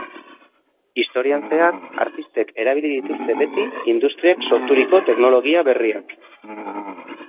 Historian zehar, artistek erabili dituzte beti industriak sorturiko teknologia berriak.